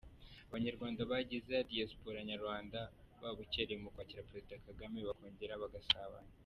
Abanyarwanda bagize Diaspora Nyarwanda babukereye mu kwakira Perezida Kagame, bakongera bagasabana.